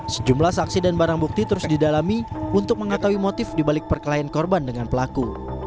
sejumlah saksi dan barang bukti terus didalami untuk mengetahui motif dibalik perkelahian korban dengan pelaku